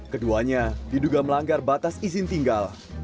keduanya diduga melanggar batas izin tinggal